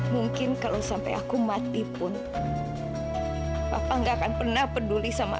mungkin kalau sampai aku mati pun papa nggak akan pernah peduli sama